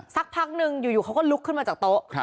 สักพักนึงอยู่เขาก็ลุกขึ้นมาจากโต๊ะ